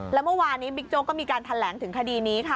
แล้วเมื่อวานนี้บิ๊กโจ๊กก็มีการแถลงถึงคดีนี้ค่ะ